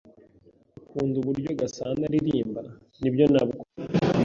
"Ukunda uburyo Gasanaaririmba?" "Nibyo. Ntabwo?"